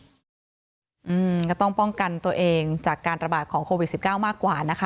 ก็ต้องป้องกันตัวเองจากการระบาดของโควิด๑๙มากกว่านะคะ